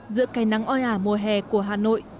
giữa cây nắng oi ả mùa hè của hà nội